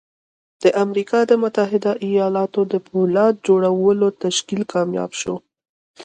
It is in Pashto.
د امريکا د متحده ايالتونو د پولاد جوړولو تشکيل کامياب شو.